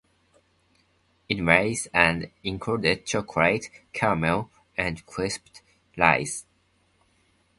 It weighs and includes chocolate, caramel and crisped rice.